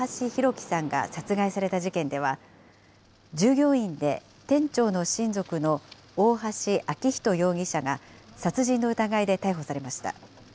輝さんが殺害された事件では、従業員で店長の親族の大橋昭仁容疑者が殺人の疑いで逮捕されました。